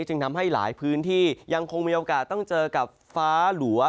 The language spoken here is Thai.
จึงทำให้หลายพื้นที่ยังคงมีโอกาสต้องเจอกับฟ้าหลัว